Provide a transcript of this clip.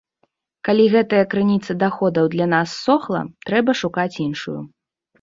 Калі гэтая крыніца даходаў для нас ссохла, трэба шукаць іншую.